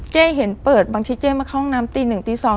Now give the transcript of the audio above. เห็นเปิดบางทีเจ๊มาเข้าห้องน้ำตีหนึ่งตี๒